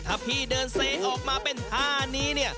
ถ้าพี่เดินเซออกมาเป็นท่านี้เนี่ย